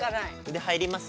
腕入ります？